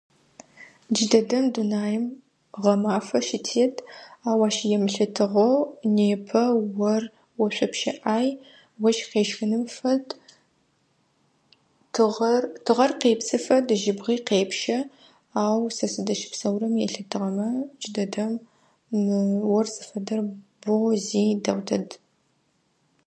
Джыдэдэм дунаим гъэмафэ щытет. Ау ащ емылъытыгъэу непэ ор ошъопщэ ӏай, ощх къещхыным фэд. Тыгъэр тыгъэр къепсы фэд жьыбгъи къепщэ ау сэ сыздэщыпсэурэм елъытыгъэмэ джыдэдэм ор зыфэдэр бэу зи дэгъу дэд.